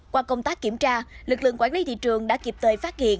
qua công tác kiểm tra lực lượng quản lý thị trường đã kịp thời phát hiện